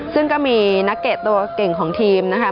ซึ่งก็มีนักเตะตัวเก่งของทีมนะคะ